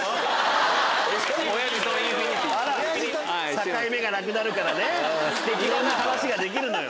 境目がなくなるからねいろんな話ができるのよ。